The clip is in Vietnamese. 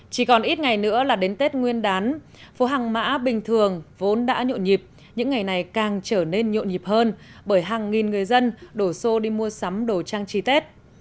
chỉ còn ít ngày nữa là đến tết nguyên đán phố hàng mã bình thường vốn đã nhộn nhịp những ngày này càng trở nên nhộn nhịp hơn bởi hàng nghìn người dân đổ xô đi mua sắm đồ trang trí tết